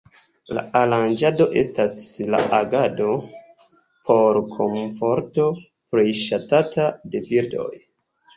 La Aranĝado estas la agado por komforto plej ŝatata de birdoj.